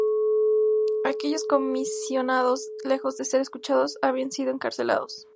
Aquellos comisionados, lejos de ser escuchados, habían sido encarcelados.